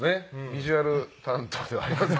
ビジュアル担当ではあります